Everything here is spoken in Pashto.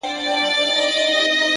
حکمت د سمې کارونې نوم دی!